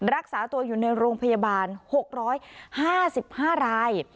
รักษาตัวอยู่ในโรงพยาบาล๖๕๕ราย